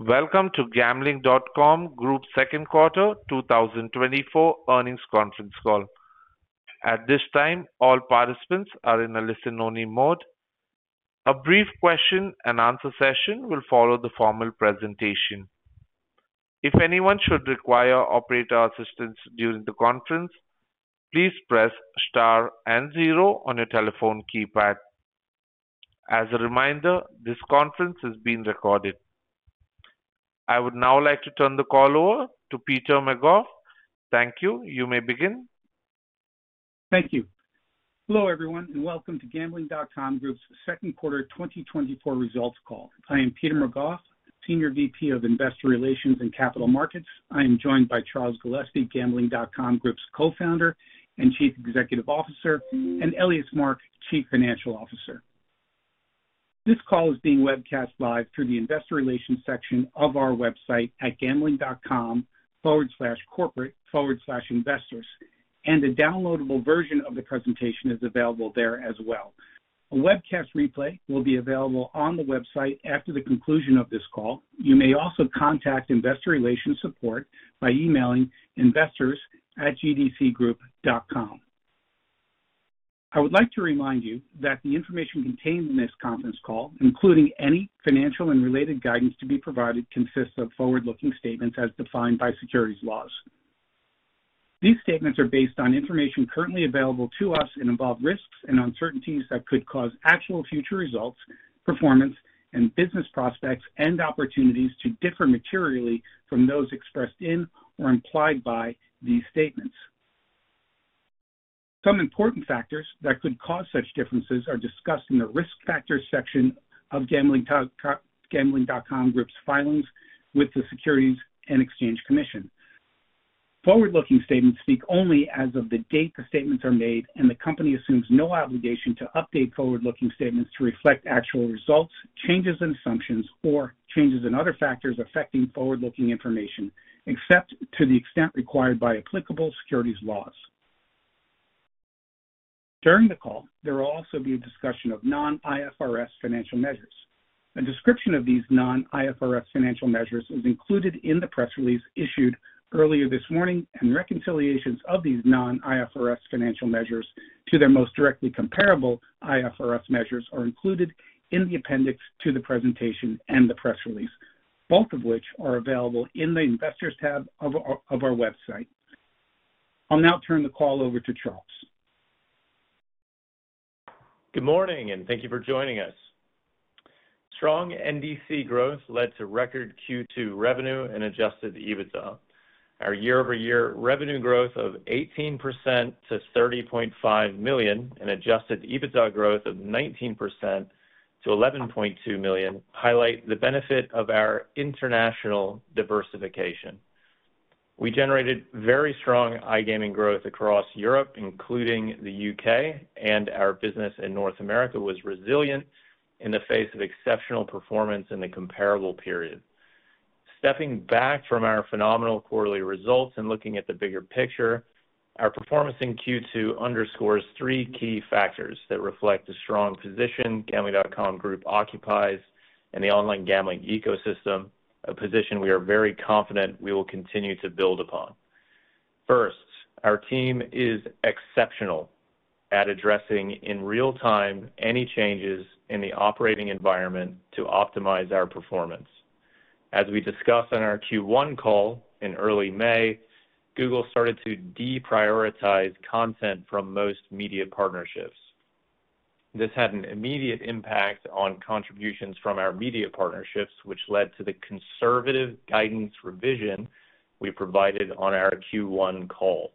Welcome to Gambling.com Group's second quarter 2024 earnings conference call. At this time, all participants are in a listen-only mode. A brief question and answer session will follow the formal presentation. If anyone should require operator assistance during the conference, please press star and zero on your telephone keypad. As a reminder, this conference is being recorded. I would now like to turn the call over to Peter McGough. Thank you. You may begin. Thank you. Hello, everyone, and welcome to Gambling.com Group's second quarter 2024 results call. I am Peter McGough, Senior VP of Investor Relations and Capital Markets. I am joined by Charles Gillespie, Gambling.com Group's Co-founder and Chief Executive Officer, and Elias Mark, Chief Financial Officer. This call is being webcast live through the investor relations section of our website at gambling.com/corporate/investors, and a downloadable version of the presentation is available there as well. A webcast replay will be available on the website after the conclusion of this call. You may also contact investor relations support by emailing investors@gdcgroup.com. I would like to remind you that the information contained in this conference call, including any financial and related guidance to be provided, consists of forward-looking statements as defined by securities laws. These statements are based on information currently available to us and involve risks and uncertainties that could cause actual future results, performance, and business prospects and opportunities to differ materially from those expressed in or implied by these statements. Some important factors that could cause such differences are discussed in the Risk Factors section of Gambling.com Group's filings with the Securities and Exchange Commission. Forward-looking statements speak only as of the date the statements are made, and the company assumes no obligation to update forward-looking statements to reflect actual results, changes in assumptions, or changes in other factors affecting forward-looking information, except to the extent required by applicable securities laws. During the call, there will also be a discussion of non-IFRS financial measures. A description of these non-IFRS financial measures is included in the press release issued earlier this morning, and reconciliations of these non-IFRS financial measures to their most directly comparable IFRS measures are included in the appendix to the presentation and the press release, both of which are available in the Investors tab of our website. I'll now turn the call over to Charles. Good morning, and thank you for joining us. Strong NDC growth led to record Q2 revenue and Adjusted EBITDA. Our year-over-year revenue growth of 18% to $30.5 million and Adjusted EBITDA growth of 19% to $11.2 million highlight the benefit of our international diversification. We generated very strong iGaming growth across Europe, including the UK, and our business in North America was resilient in the face of exceptional performance in the comparable period. Stepping back from our phenomenal quarterly results and looking at the bigger picture, our performance in Q2 underscores three key factors that reflect the strong position Gambling.com Group occupies in the online gambling ecosystem, a position we are very confident we will continue to build upon. First, our team is exceptional at addressing, in real time, any changes in the operating environment to optimize our performance. As we discussed on our Q1 call in early May, Google started to deprioritize content from most media partnerships. This had an immediate impact on contributions from our media partnerships, which led to the conservative guidance revision we provided on our Q1 call.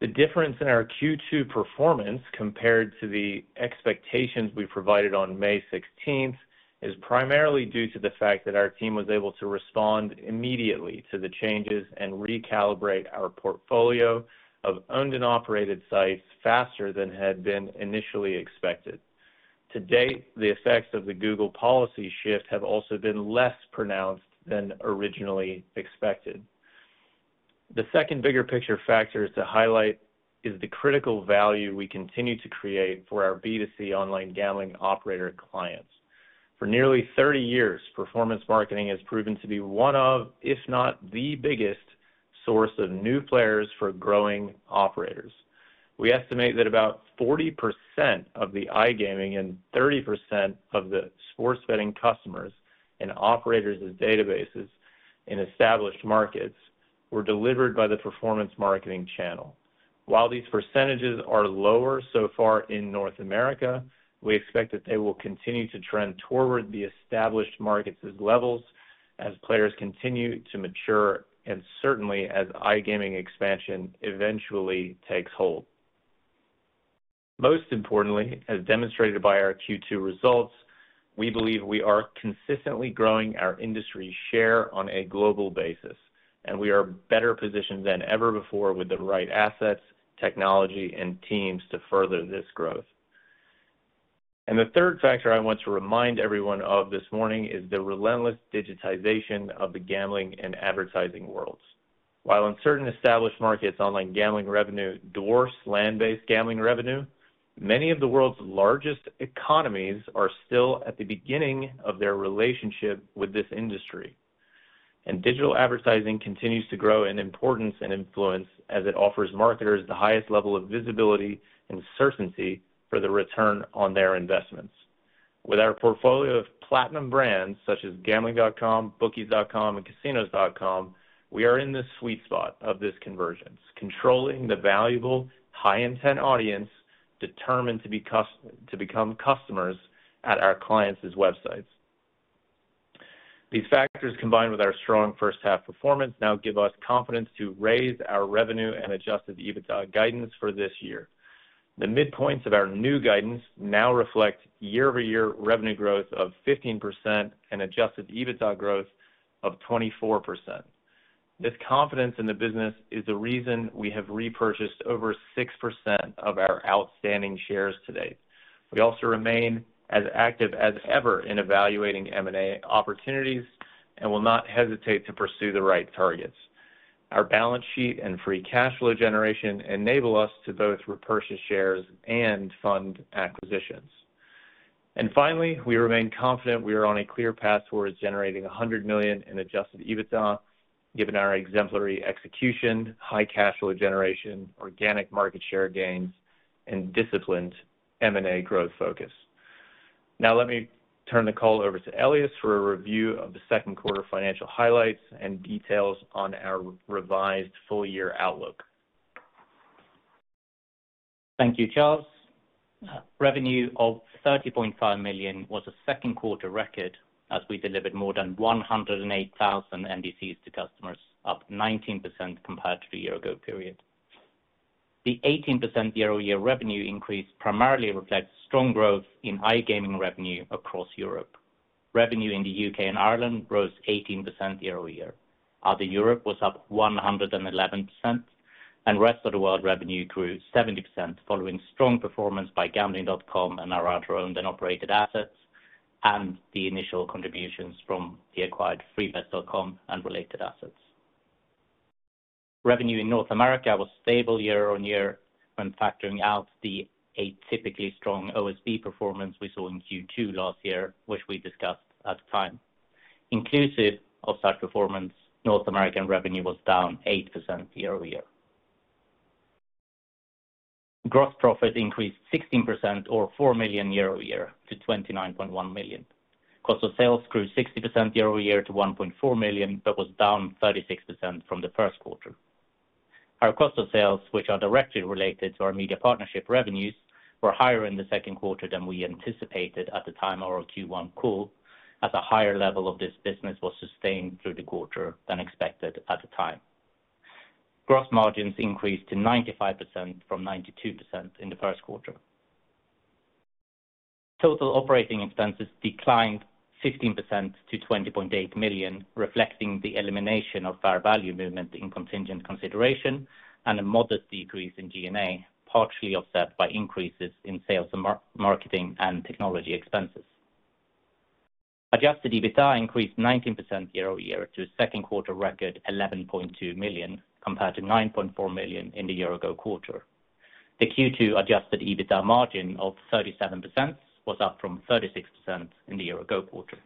The difference in our Q2 performance compared to the expectations we provided on May 16, is primarily due to the fact that our team was able to respond immediately to the changes and recalibrate our portfolio of owned and operated sites faster than had been initially expected. To date, the effects of the Google policy shift have also been less pronounced than originally expected. The second bigger picture factor is to highlight is the critical value we continue to create for our B2C online gambling operator clients. For nearly 30 years, performance marketing has proven to be one of, if not the biggest, source of new players for growing operators. We estimate that about 40% of the iGaming and 30% of the sports betting customers and operators' databases in established markets were delivered by the performance marketing channel. While these percentages are lower so far in North America, we expect that they will continue to trend toward the established markets' levels as players continue to mature and certainly as iGaming expansion eventually takes hold. Most importantly, as demonstrated by our Q2 results, we believe we are consistently growing our industry share on a global basis, and we are better positioned than ever before with the right assets, technology, and teams to further this growth. The third factor I want to remind everyone of this morning is the relentless digitization of the gambling and advertising worlds. While in certain established markets, online gambling revenue dwarfs land-based gambling revenue, many of the world's largest economies are still at the beginning of their relationship with this industry. Digital advertising continues to grow in importance and influence, as it offers marketers the highest level of visibility and certainty for the return on their investments. With our portfolio of platinum brands, such as Gambling.com, Bookies.com, and Casinos.com, we are in the sweet spot of this convergence, controlling the valuable high intent audience, determined to become customers at our clients' websites. These factors, combined with our strong first half performance, now give us confidence to raise our revenue and Adjusted EBITDA guidance for this year. The midpoints of our new guidance now reflect year-over-year revenue growth of 15% and Adjusted EBITDA growth of 24%. This confidence in the business is the reason we have repurchased over 6% of our outstanding shares to date. We also remain as active as ever in evaluating M&A opportunities, and will not hesitate to pursue the right targets. Our balance sheet and free cash flow generation enable us to both repurchase shares and fund acquisitions. Finally, we remain confident we are on a clear path towards generating $100 million in Adjusted EBITDA, given our exemplary execution, high cash flow generation, organic market share gains, and disciplined M&A growth focus. Now, let me turn the call over to Elias for a review of the second quarter financial highlights and details on our revised full-year outlook. Thank you, Charles. Revenue of $30.5 million was a second quarter record, as we delivered more than 108,000 NDCs to customers, up 19% compared to the year ago period. The 18% year-over-year revenue increase primarily reflects strong growth in iGaming revenue across Europe. Revenue in the UK and Ireland rose 18% year-over-year. Other Europe was up 111%, and rest of the world revenue grew 70%, following strong performance by Gambling.com and our other owned and operated assets, and the initial contributions from the acquired Freebets.com and related assets. Revenue in North America was stable year-over-year, when factoring out the atypically strong OSB performance we saw in Q2 last year, which we discussed at the time. Inclusive of such performance, North American revenue was down 8% year-over-year. Gross profit increased 16% or $4 million year-over-year to $29.1 million. Cost of sales grew 60% year-over-year to $1.4 million, but was down 36% from the first quarter. Our cost of sales, which are directly related to our media partnership revenues, were higher in the second quarter than we anticipated at the time of our Q1 call, as a higher level of this business was sustained through the quarter than expected at the time. Gross margins increased to 95% from 92% in the first quarter. Total operating expenses declined 15% to $20.8 million, reflecting the elimination of fair value movement in contingent consideration, and a modest decrease in GMA, partially offset by increases in sales and marketing and technology expenses. Adjusted EBITDA increased 19% year-over-year to a second quarter record $11.2 million, compared to $9.4 million in the year ago quarter. The Q2 adjusted EBITDA margin of 37% was up from 36% in the year ago quarter.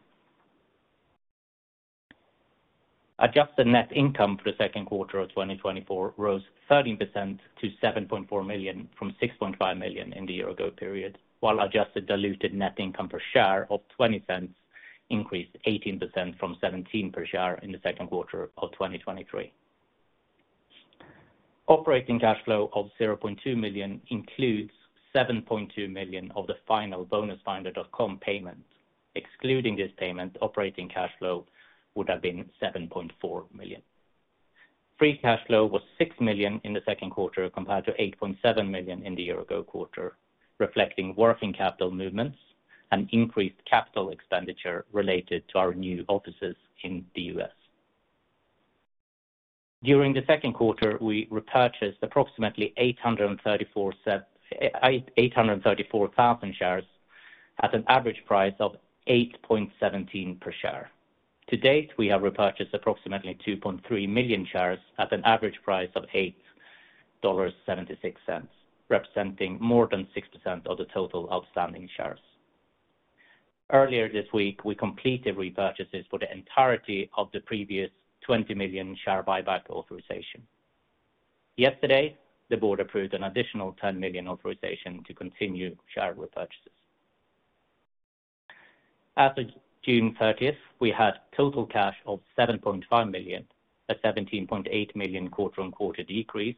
Adjusted net income for the second quarter of 2024 rose 13% to $7.4 million, from $6.5 million in the year ago period, while adjusted diluted net income per share of $0.20 increased 18% from $0.17 per share in the second quarter of 2023. Operating cash flow of $0.2 million includes $7.2 million of the final BonusFinder.com payment. Excluding this payment, operating cash flow would have been $7.4 million. Free cash flow was $6 million in the second quarter, compared to $8.7 million in the year-ago quarter, reflecting working capital movements and increased capital expenditure related to our new offices in the U.S. During the second quarter, we repurchased approximately 834,000 shares at an average price of $8.17 per share. To date, we have repurchased approximately 2.3 million shares at an average price of $8.76, representing more than 6% of the total outstanding shares. Earlier this week, we completed repurchases for the entirety of the previous 20 million share buyback authorization. Yesterday, the board approved an additional 10 million authorization to continue share repurchases. As of June 30, we had total cash of $7.5 million, a $17.8 million quarter-on-quarter decrease,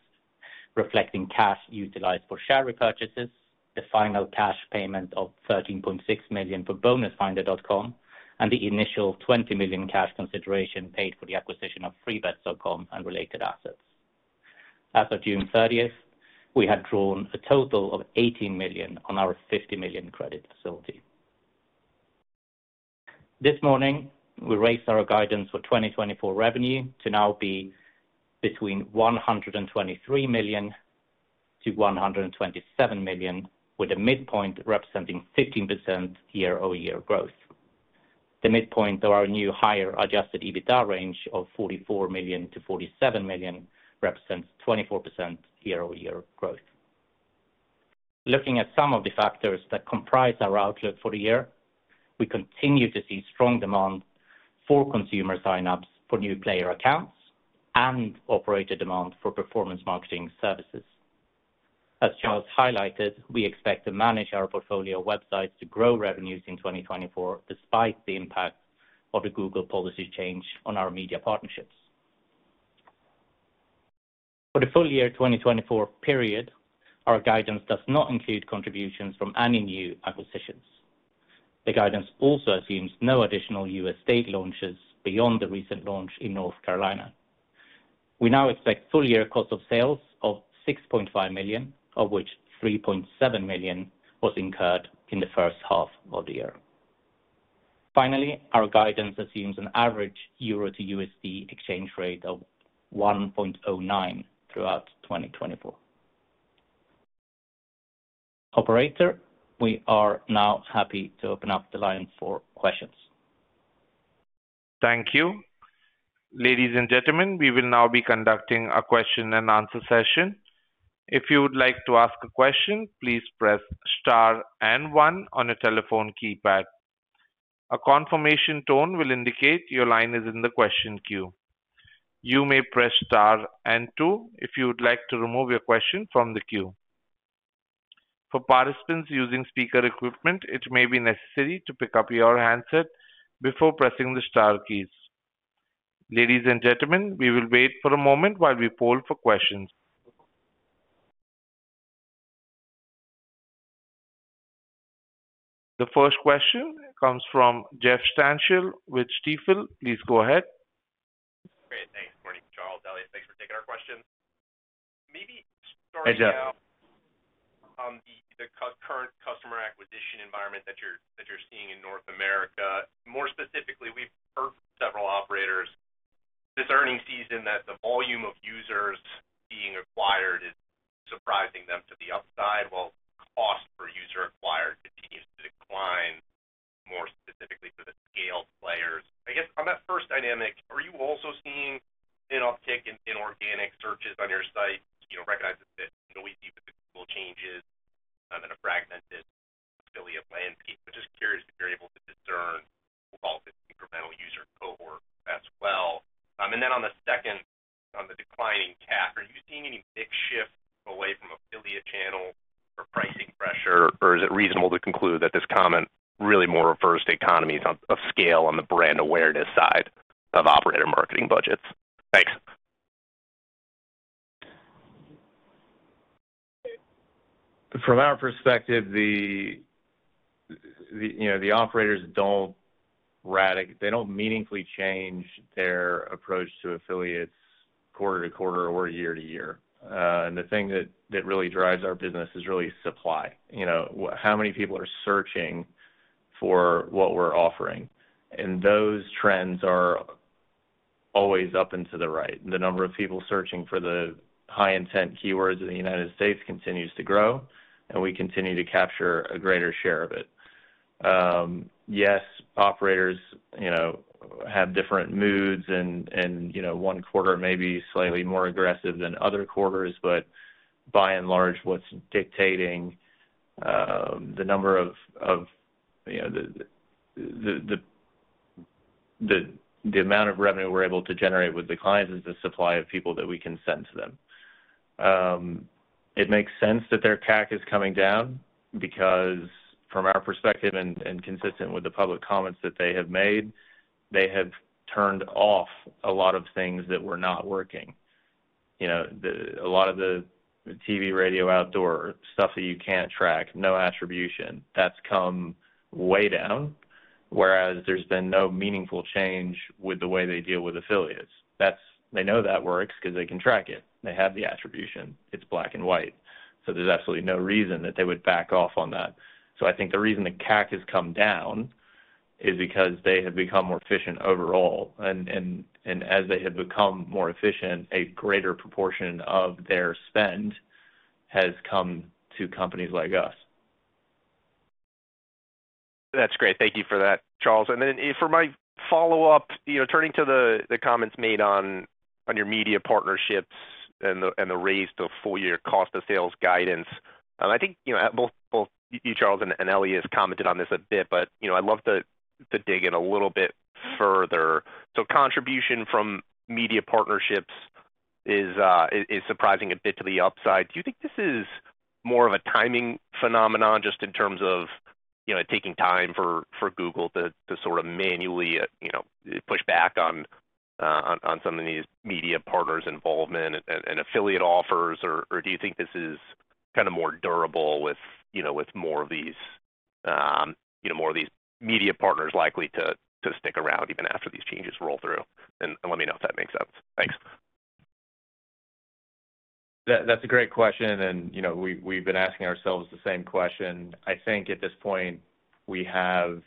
reflecting cash utilized for share repurchases, the final cash payment of $13.6 million for BonusFinder.com, and the initial $20 million cash consideration paid for the acquisition of Freebets.com and related assets. As of June 30, we had drawn a total of $18 million on our $50 million credit facility. This morning, we raised our guidance for 2024 revenue to now be between $123 million-$127 million, with a midpoint representing 15% year-over-year growth. The midpoint of our new higher Adjusted EBITDA range of $44 million-$47 million represents 24% year-over-year growth. Looking at some of the factors that comprise our outlook for the year, we continue to see strong demand for consumer signups for new player accounts and operator demand for performance marketing services. As Charles highlighted, we expect to manage our portfolio websites to grow revenues in 2024, despite the impact of the Google policy change on our media partnerships. For the full year 2024 period, our guidance does not include contributions from any new acquisitions. The guidance also assumes no additional U.S. state launches beyond the recent launch in North Carolina. We now expect full year cost of sales of $6.5 million, of which $3.7 million was incurred in the first half of the year. Finally, our guidance assumes an average euro to U.S. dollar exchange rate of 1.09 throughout 2024. Operator, we are now happy to open up the line for questions. Thank you. Ladies and gentlemen, we will now be conducting a question and answer session. If you would like to ask a question, please press Star and one on your telephone keypad. A confirmation tone will indicate your line is in the question queue. You may press Star and two if you would like to remove your question from the queue. For participants using speaker equipment, it may be necessary to pick up your handset before pressing the star keys. Ladies and gentlemen, we will wait for a moment while we poll for questions. The first question comes from Jeff Stantial with Stifel. Please go ahead. Great. Thanks. Morning, Charles, Elias, thanks for taking our questions. Maybe starting out. The current customer acquisition environment that you're seeing in North America. More specifically, we've heard from several operators this earnings season that the volume of users being acquired is surprising them to the upside, while cost per user acquired continues to decline, more specifically for the scale players. I guess on that first dynamic, are you also seeing an uptick in organic searches on your site? Recognize that we see with the Google changes and a fragmented affiliate landscape, but just curious if you're able to discern the quality of incremental user cohort as well. Then on the second, on the declining CAC, are you seeing any big shifts away from affiliate channels or pricing pressure? Or is it reasonable to conclude that this comment really more refers to economies of scale on the brand awareness side of operator marketing budgets? Thanks. From our perspective the operators don't meaningfully change their approach to affiliates quarter to quarter or year to year. The thing that really drives our business is really supply. How many people are searching for what we're offering, and those trends are always up and to the right. The number of people searching for the high intent keywords in the United States continues to grow, and we continue to capture a greater share of it. Yes, operators have different moods and one quarter may be slightly more aggressive than other quarters, but by and large, what's dictating the amount of revenue we're able to generate with the clients is the supply of people that we can send to them. It makes sense that their CAC is coming down because from our perspective and consistent with the public comments that they have made, they have turned off a lot of things that were not working. A lot of the TV, radio, outdoor, stuff that you can't track, no attribution, that's come way down, whereas there's been no meaningful change with the way they deal with affiliates. They know that works because they can track it. They have the attribution. It's black and white, so there's absolutely no reason that they would back off on that. I think the reason the CAC has come down is because they have become more efficient overall as they have become more efficient, a greater proportion of their spend has come to companies like us. That's great. Thank you for that, Charles. Then for my follow-up, turning to the comments made on your media partnerships and the raise to full year cost of sales guidance. I think both you, Charles, and Elias has commented on this a bit, but I'd love to dig in a little bit further. Contribution from media partnerships is surprising a bit to the upside. Do you think this is more of a timing phenomenon, just in terms of taking time for Google to manually push back on some of these media partners' involvement and affiliate offers? Or, do you think this is more durable with with more of these more of these media partners likely to stick around even after these changes roll through? Let me know if that makes sense. Thanks. That's a great question, and we've been asking ourselves the same question. I think at this point, we have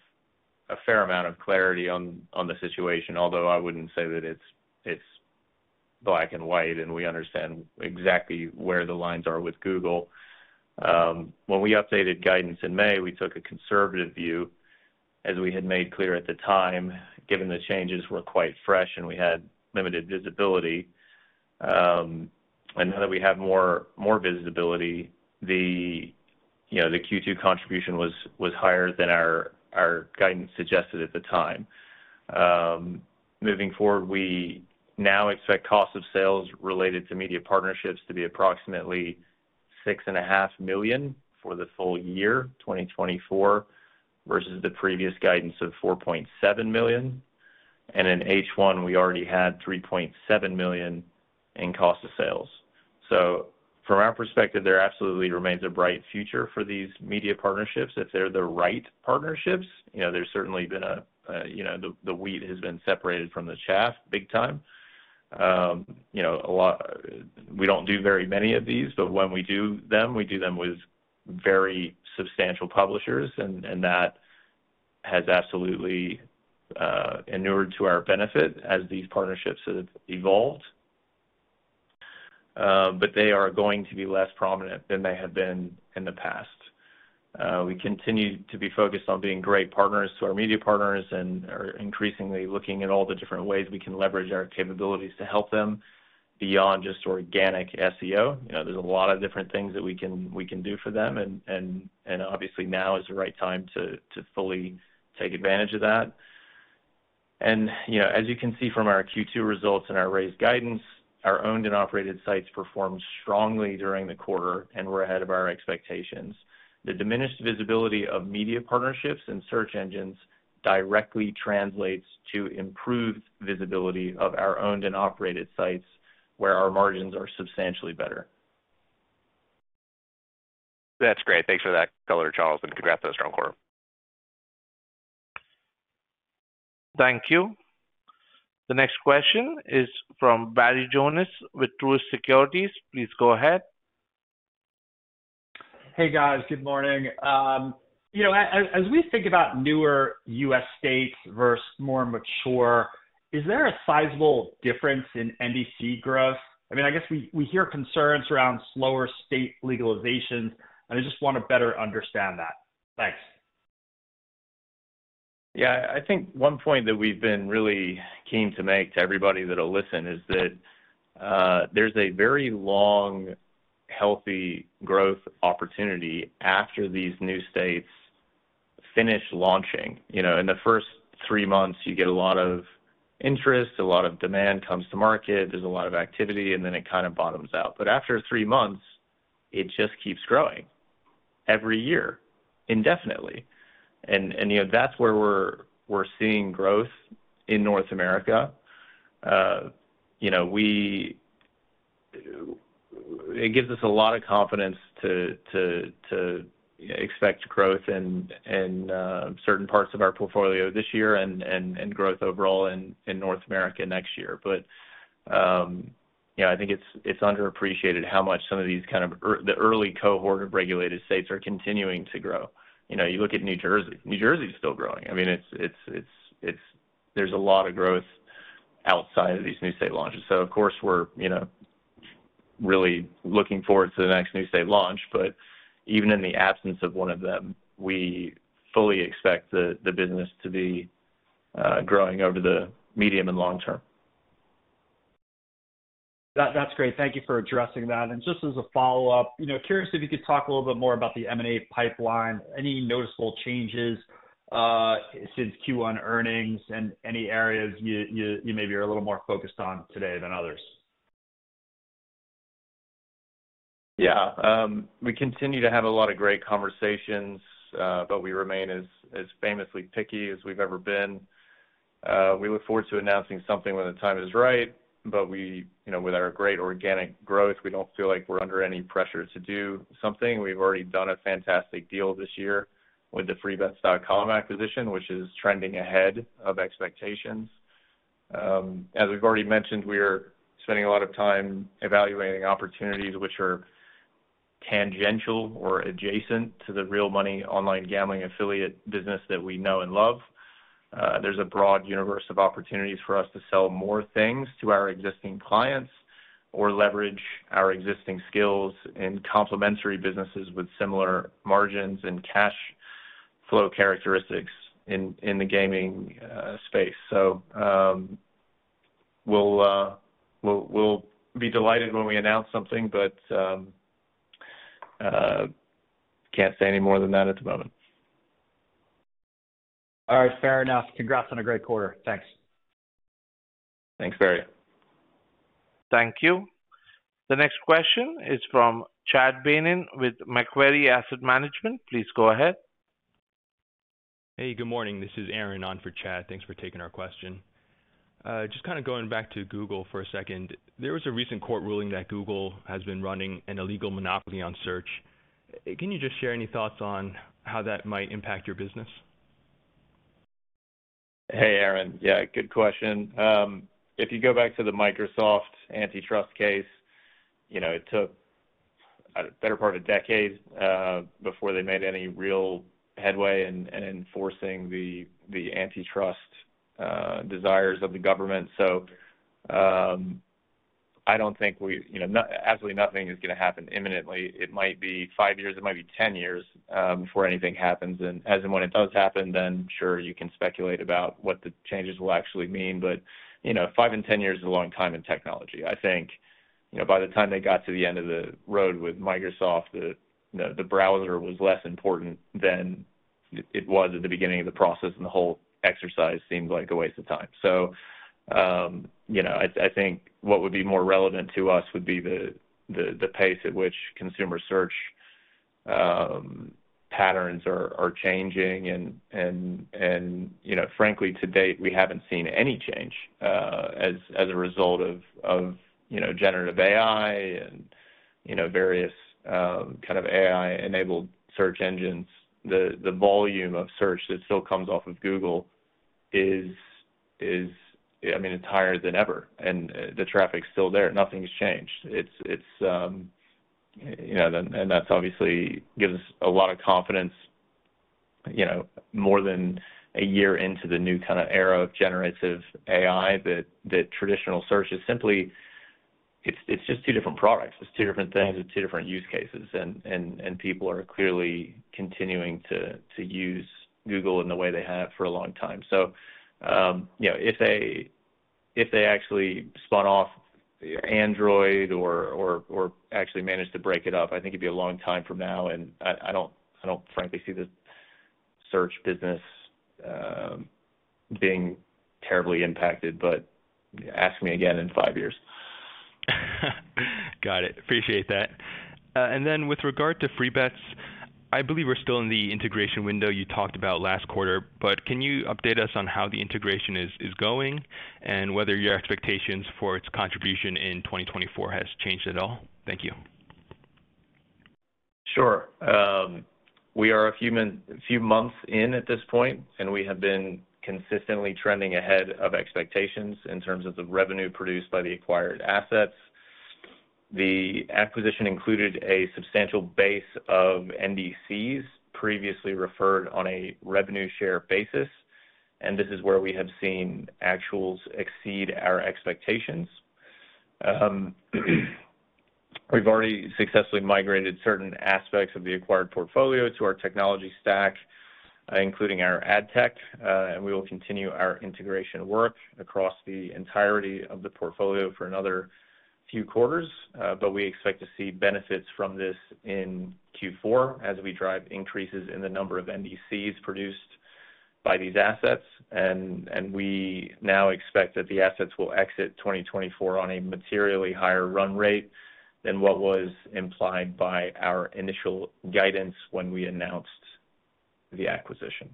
a fair amount of clarity on the situation, although I wouldn't say that it's black and white, and we understand exactly where the lines are with Google. When we updated guidance in May, we took a conservative view, as we had made clear at the time, given the changes were quite fresh, and we had limited visibility. Now that we have more visibility the Q2 contribution was higher than our guidance suggested at the time. Moving forward, we now expect cost of sales related to media partnerships to be approximately $6.5 million for the full year, 2024, versus the previous guidance of $4.7 million. In H1, we already had $3.7 million in cost of sales. So from our perspective, there absolutely remains a bright future for these media partnerships if they're the right partnerships. There's certainly been the wheat has been separated from the chaff big time. We don't do very many of these, but when we do them, we do them with very substantial publishers, and that has absolutely inured to our benefit as these partnerships have evolved. But they are going to be less prominent than they have been in the past. We continue to be focused on being great partners to our media partners and are increasingly looking at all the different ways we can leverage our capabilities to help them beyond just organic SEO. There's a lot of different things that we can do for them, and obviously, now is the right time to fully take advantage of that. As you can see from our Q2 results and our raised guidance, our owned and operated sites performed strongly during the quarter, and were ahead of our expectations. The diminished visibility of media partnerships and search engines directly translates to improved visibility of our owned and operated sites, where our margins are substantially better. That's great. Thanks for that color, Charles, and congrats on a strong quarter. Thank you. The next question is from Barry Jonas with Truist Securities. Please go ahead. Hey, guys. Good morning. As we think about newer U.S. states versus more mature, is there a sizable difference in NDC growth? We hear concerns around slower state legalizations, and I just want to better understand that. Thanks. Yeah, I think one point that we've been really keen to make to everybody that'll listen is that there's a very long, healthy growth opportunity after these new states finish launching. In the first three months, you get a lot of interest, a lot of demand comes to market, there's a lot of activity, and then it bottoms out. After three months, it just keeps growing every year, indefinitely. That's where we're seeing growth in North America. It gives us a lot of confidence to expect growth in certain parts of our portfolio this year and growth overall in North America next year. I think it's underappreciated how much some of these the early cohort of regulated states are continuing to grow. Look at New Jersey, New Jersey is still growing. I mean, it's there's a lot of growth outside of these new state launches. We're, really looking forward to the next new state launch. Even in the absence of one of them, we fully expect the business to be growing over the medium and long term. That's great. Thank you for addressing that. Just as a follow-up curious if you could talk a little bit more about the M&A pipeline. Any noticeable changes since Q1 earnings and any areas you maybe are a little more focused on today than others? Yeah. We continue to have a lot of great conversations, but we remain as famously picky as we've ever been. We look forward to announcing something when the time is right, but with our great organic growth, we don't feel like we're under any pressure to do something. We've already done a fantastic deal this year with the Freebets.com acquisition, which is trending ahead of expectations. As we've already mentioned, we are spending a lot of time evaluating opportunities which are tangential or adjacent to the real money online gambling affiliate business that we know and love. There's a broad universe of opportunities for us to sell more things to our existing clients or leverage our existing skills in complementary businesses with similar margins and cash flow characteristics in the gaming space. We'll be delighted when we announce something, but can't say any more than that at the moment. All right. Fair enough. Congrats on a great quarter. Thanks. Thanks, Barry. Thank you. The next question is from Chad Beynon with Macquarie Asset Management. Please go ahead. Hey, good morning. This is Aaron on for Chad. Thanks for taking our question. Just going back to Google for a second. There was a recent court ruling that Google has been running an illegal monopoly on search. Can you just share any thoughts on how that might impact your business? Hey, Aaron. Yeah, good question. If you go back to the Microsoft antitrust case, it took a better part of a decade before they made any real headway in enforcing the antitrust desires of the government. I don't think we not absolutely nothing is going to happen imminently. It might be 5 years, it might be 10 years before anything happens. As and when it does happen, then sure, you can speculate about what the changes will actually mean 5 and 10 years is a long time in technology. I think by the time they got to the end of the road with Microsoft, the browser was less important than it was at the beginning of the process, and the whole exercise seemed like a waste of time. I think what would be more relevant to us would be the pace at which consumer search patterns are changing. Frankly, to date, we haven't seen any change as a result of Generative AI and various AI-enabled search engines. The volume of search that still comes off of Google is, I mean, it's higher than ever, and the traffic's still there. Nothing's changed. That's obviously gives us a lot of confidence more than a year into the new era of Generative AI, that traditional search is simply. It's just two different products. It's two different things. It's two different use cases, and people are clearly continuing to use Google in the way they have for a long time. If they actually spun off Android or actually managed to break it up, I think it'd be a long time from now, and I don't frankly see the search business being terribly impacted, but ask me again in five years. Got it. Appreciate that. And then with regard to Freebets.com, I believe we're still in the integration window you talked about last quarter, but can you update us on how the integration is going and whether your expectations for its contribution in 2024 has changed at all? Thank you. Sure. We are a few months in at this point, and we have been consistently trending ahead of expectations in terms of the revenue produced by the acquired assets. The acquisition included a substantial base of NDCs, previously referred on a revenue share basis, and this is where we have seen actuals exceed our expectations. We've already successfully migrated certain aspects of the acquired portfolio to our technology stack, including our ad tech, and we will continue our integration work across the entirety of the portfolio for another few quarters. We expect to see benefits from this in Q4 as we drive increases in the number of NDCs produced by these assets. We now expect that the assets will exit 2024 on a materially higher run rate than what was implied by our initial guidance when we announced the acquisition.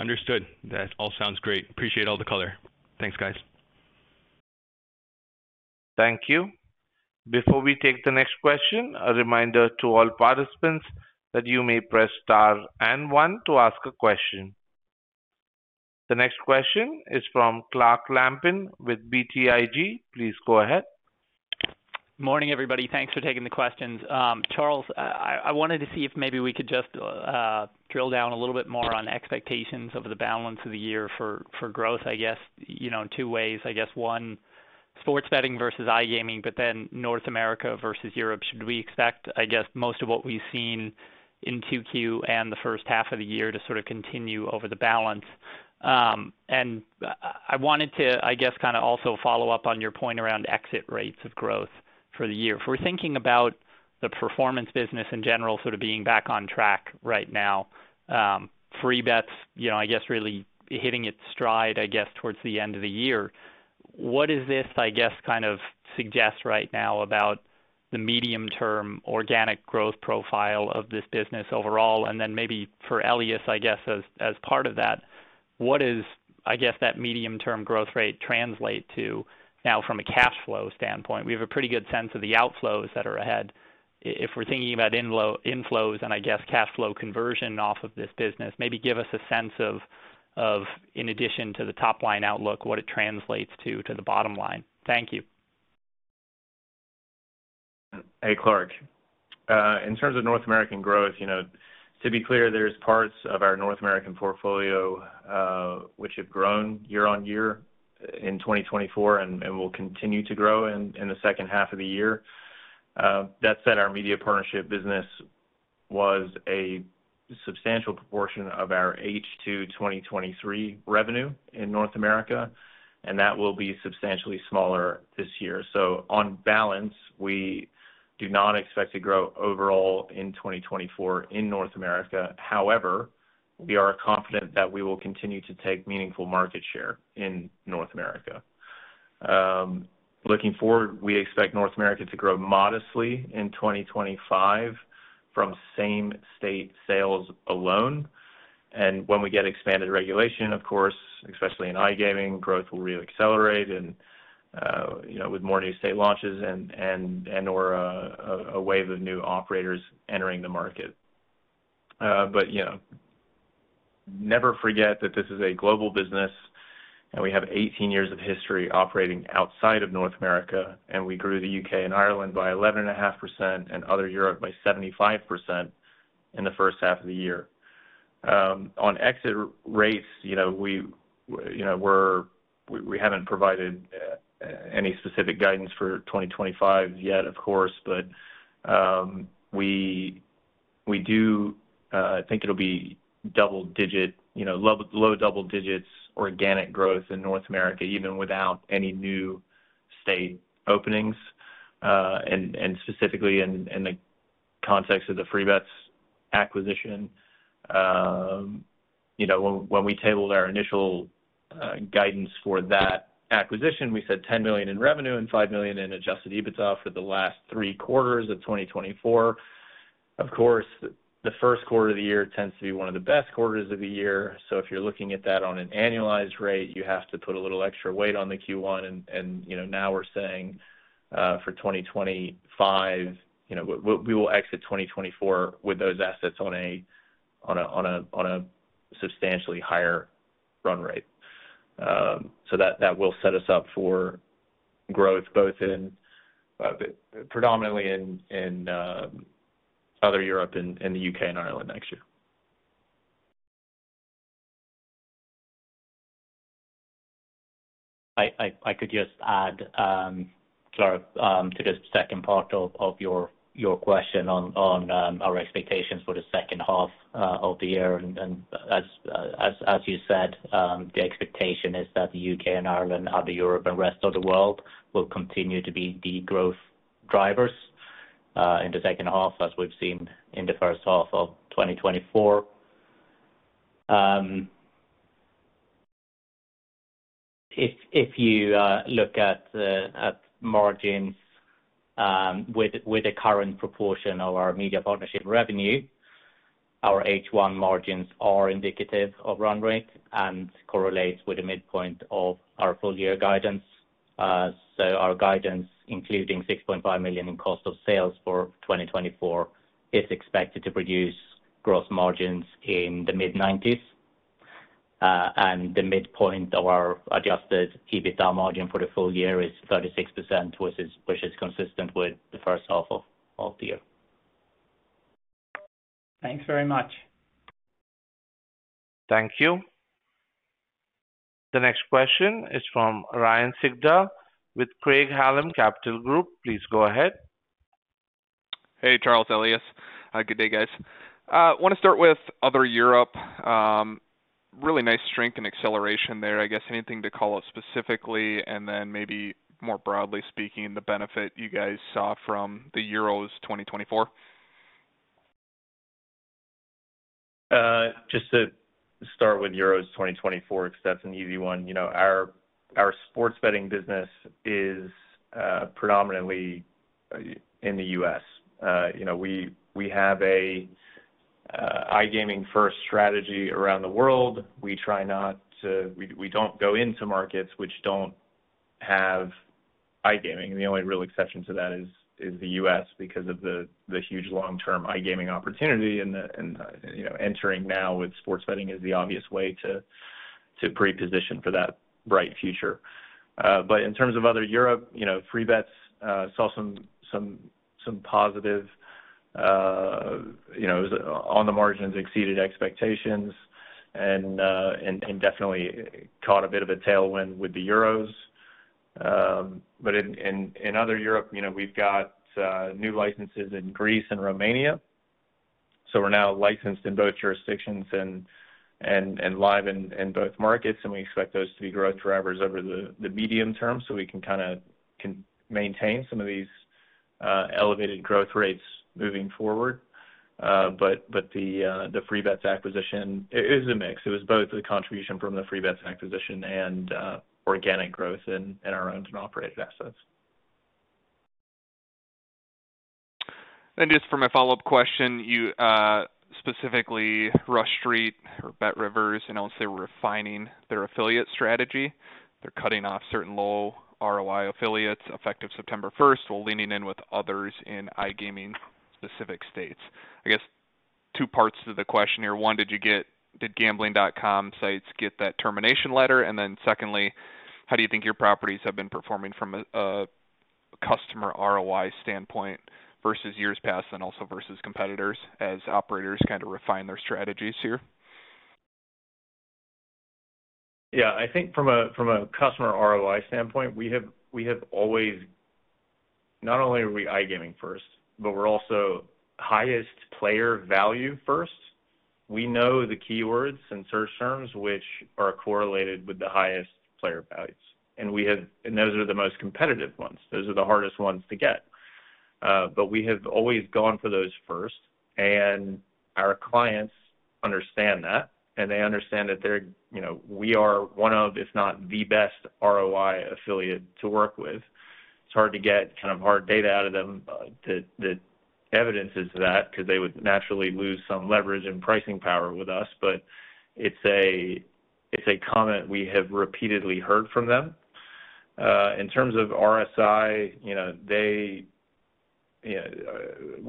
Understood. That all sounds great. Appreciate all the color. Thanks, guys. Thank you. Before we take the next question, a reminder to all participants that you may press Star and One to ask a question. The next question is from Clark Lampen with BTIG. Please go ahead. Morning, everybody. Thanks for taking the questions. Charles, I wanted to see if maybe we could just drill down a little bit more on expectations over the balance of the year for growth, In two ways. I guess one, sports betting versus iGaming, but then North America versus Europe. Should we expect, I guess, most of what we've seen in Q2 and the first half of the year to continue over the balance? I wanted to, also follow up on your point around exit rates of growth for the year. If we're thinking about the performance business in general being back on track right now, Free Bets I guess, really hitting its stride, I guess, towards the end of the year. What does this suggest right now about the medium-term organic growth profile of this business overall? Then maybe for Elias as part of that, what is, I guess, that medium-term growth rate translate to now from a cash flow standpoint? We have a pretty good sense of the outflows that are ahead. If we're thinking about inflows and I guess, cash flow conversion off of this business, maybe give us a sense of, in addition to the top-line outlook, what it translates to the bottom line. Thank you. Hey, Clark. In terms of North American growth to be clear, there's parts of our North American portfolio, which have grown year-on-year in 2024 and will continue to grow in the second half of the year. That said, our media partnership business was a substantial proportion of our H2 2023 revenue in North America, and that will be substantially smaller this year. So on balance, we do not expect to grow overall in 2024 in North America. However, we are confident that we will continue to take meaningful market share in North America. Looking forward, we expect North America to grow modestly in 2025 from same state sales alone. When we get expanded regulation, of course, especially in iGaming, growth will reaccelerate and with more new state launches and or a wave of new operators entering the market. Never forget that this is a global business, and we have 18 years of history operating outside of North America, and we grew the UK and Ireland by 11.5% and other Europe by 75% in the first half of the year. On exit rates we haven't provided any specific guidance for 2025 yet, of course, but, we do think it'll be double digit low double digits organic growth in North America, even without any new state openings. Specifically in the context of the Freebets acquisition when we tabled our initial guidance for that acquisition, we said $10 million in revenue and $5 million in adjusted EBITDA for the last three quarters of 2024. Of course, the first quarter of the year tends to be one of the best quarters of the year. So if you're looking at that on an annualized rate, you have to put a little extra weight on the Q1, and we're saying for 2025 we will exit 2024 with those assets on a substantially higher run rate. That will set us up for growth, both predominantly in other Europe and the UK and Ireland next year. I could just add, Clara, to the second part of your question on our expectations for the second half of the year. As you said, the expectation is that the UK and Ireland, other Europe and rest of the world, will continue to be the growth drivers in the second half, as we've seen in the first half of 2024. If you look at the margins, with the current proportion of our media partnership revenue, our H1 margins are indicative of run rate and correlates with the midpoint of our full year guidance. Our guidance, including $6.5 million in cost of sales for 2024, is expected to produce gross margins in the mid-90s%. The midpoint of our adjusted EBITDA margin for the full year is 36%, which is consistent with the first half of the year. Thanks very much. Thank you. The next question is from Ryan Sigdahl with Craig-Hallum Capital Group. Please go ahead. Hey, Charles Elias. Good day, guys. Want to start with other Europe. Really nice strength and acceleration there. I guess anything to call out specifically, and then maybe more broadly speaking, the benefit you guys saw from the Euros 2024? Just to start with Euros 2024, because that's an easy one. Our sports betting business is predominantly in the U.S. We have a iGaming-first strategy around the world. We try not to, we don't go into markets which don't have iGaming, and the only real exception to that is the U.S. because of the huge long-term iGaming opportunity and entering now with sports betting is the obvious way to pre-position for that bright future. In terms of other Europe Freebets saw some positive on the margins, exceeded expectations and definitely caught a bit of a tailwind with the Euros. In other Europe, we've got new licenses in Greece and Romania, so we're now licensed in both jurisdictions and live in both markets, and we expect those to be growth drivers over the medium term, so we can maintain some of these elevated growth rates moving forward. The Freebets acquisition, it is a mix. It was both the contribution from the Freebets acquisition and organic growth in our owned and operated assets. Just for my follow-up question, you, specifically, Rush Street or BetRivers, announced they're refining their affiliate strategy. They're cutting off certain low ROI affiliates effective September first, while leaning in with others in iGaming-specific states. I guess two parts to the question here. One, did Gambling.com sites get that termination letter? Then secondly, how do you think your properties have been performing from a customer ROI standpoint versus years past and also versus competitors as operators refine their strategies here? I think from a customer ROI standpoint, we have always. Not only are we iGaming first, but we're also highest player value first. We know the keywords and search terms, which are correlated with the highest player values, and those are the most competitive ones. Those are the hardest ones to get. We have always gone for those first, and our clients understand that, and they understand that we are one of, if not, the best ROI affiliate to work with. It's hard to get hard data out of them, that evidences that, because they would naturally lose some leverage and pricing power with us, but it's a comment we have repeatedly heard from them. In terms of RSI, we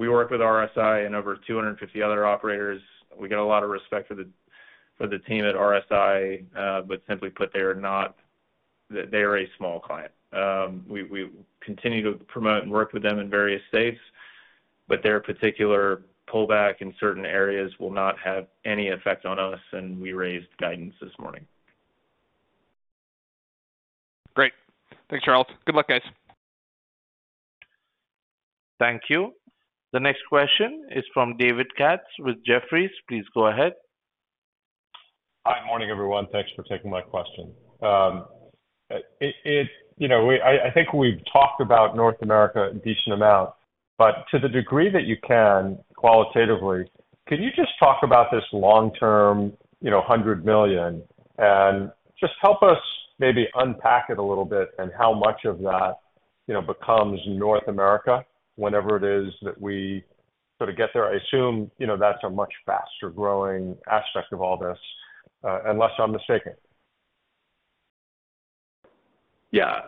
work with RSI and over 250 other operators. We get a lot of respect for the team at RSI, but simply put, they are a small client. We continue to promote and work with them in various states, but their particular pullback in certain areas will not have any effect on us, and we raised guidance this morning. Great. Thanks, Charles. Good luck, guys. Thank you. The next question is from David Katz with Jefferies. Please go ahead. Hi, morning, everyone. Thanks for taking my question. I think we've talked about North America a decent amount, but to the degree that you can, qualitatively, could you just talk about this long-term $100 million? Just help us maybe unpack it a little bit and how much of that becomes North America, whenever it is that we get there. I assume, that's a much faster-growing aspect of all this, unless I'm mistaken. Yeah.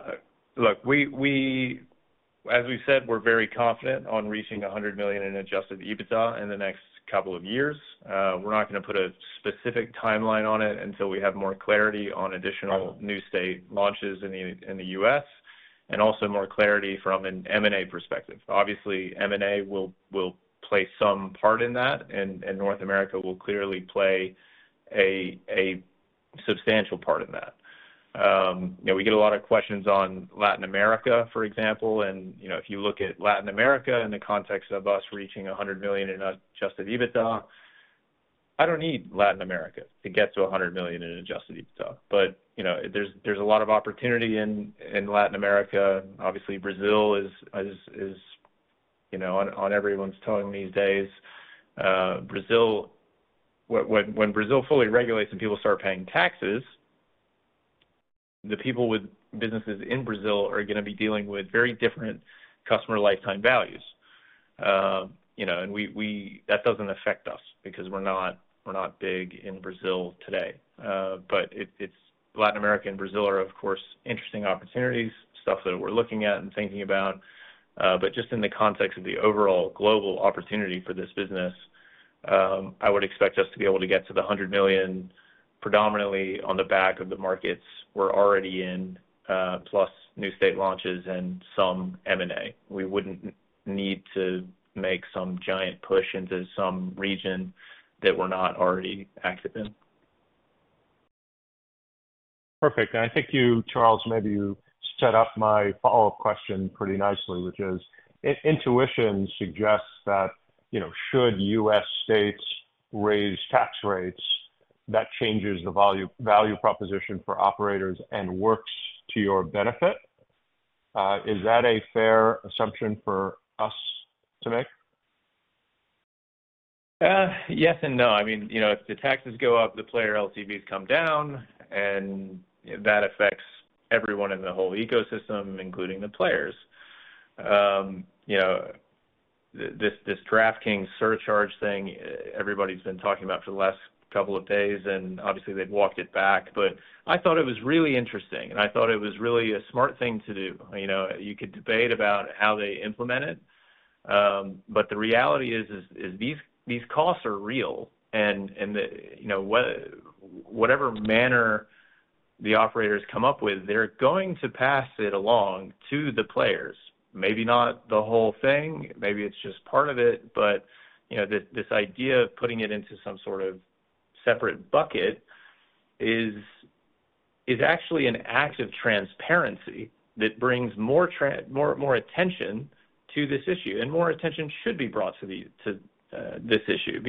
Look, as we said, we're very confident on reaching $100 million in Adjusted EBITDA in the next couple of years. We're not gonna put a specific timeline on it until we have more clarity on additional new state launches in the U.S., and also more clarity from an M&A perspective. Obviously, M&A will play some part in that, and North America will clearly play a substantial part in that. We get a lot of questions on Latin America, for example and if you look at Latin America in the context of us reaching $100 million in Adjusted EBITDA, I don't need Latin America to get to $100 million in Adjusted EBITDA. There's a lot of opportunity in Latin America. Obviously, Brazil is on everyone's tongue these days. Brazil. When Brazil fully regulates and people start paying taxes, the people with businesses in Brazil are gonna be dealing with very different customer lifetime values. That doesn't affect us because we're not big in Brazil today. Latin America and Brazil are, of course, interesting opportunities, stuff that we're looking at and thinking about. Just in the context of the overall global opportunity for this business, I would expect us to be able to get to $100 million predominantly on the back of the markets we're already in, plus new state launches and some M&A. We wouldn't need to make some giant push into some region that we're not already active in. Perfect. I think you, Charles, maybe you set up my follow-up question pretty nicely, which is, intuition suggests that should U.S. states raise tax rates, that changes the value, value proposition for operators and works to your benefit. Is that a fair assumption for us to make? Yes and no. If the taxes go up, the player LTVs come down, and that affects everyone in the whole ecosystem, including the players. This DraftKings surcharge thing everybody's been talking about for the last couple of days, and obviously, they've walked it back, but I thought it was really interesting, and I thought it was really a smart thing to do. You could debate about how they implement it, but the reality is, is these, these costs are real and the whatever manner the operators come up with, they're going to pass it along to the players. Maybe not the whole thing, maybe it's just part of it, but this, this idea of putting it into some separate bucket is, is actually an act of transparency that brings more attention to this issue, and more attention should be brought to this issue.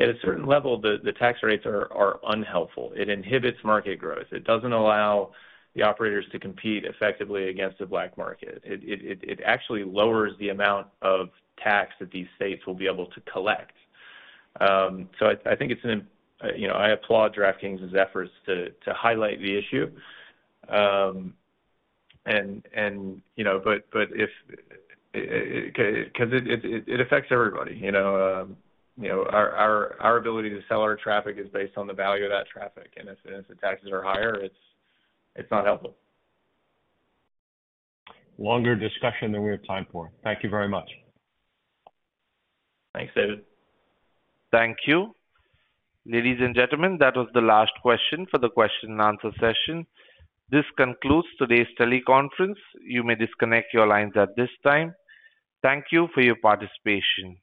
At a certain level, the tax rates are unhelpful. It inhibits market growth. It doesn't allow the operators to compete effectively against the black market. It actually lowers the amount of tax that these states will be able to collect. I think it's an I applaud DraftKings's efforts to highlight the issue. 'Cause it affects everybody. Our ability to sell our traffic is based on the value of that traffic, and if the taxes are higher, it's not helpful. Longer discussion than we have time for. Thank you very much. Thanks, David. Thank you. Ladies and gentlemen, that was the last question for the question and answer session. This concludes today's teleconference. You may disconnect your lines at this time. Thank you for your participation.